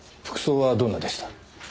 服装はどんなでした？